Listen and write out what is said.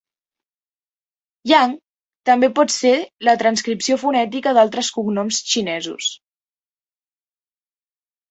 "Yang" també pot ser la transcripció fonètica d'altres cognoms xinesos.